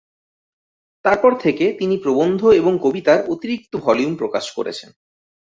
তারপর থেকে তিনি প্রবন্ধ এবং কবিতার অতিরিক্ত ভলিউম প্রকাশ করেছেন।